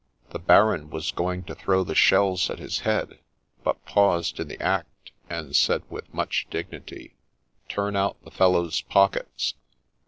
The Baron was going to throw the shells at his head, but paused in the act, and said with much dignity —' Turn out the fellow's pockets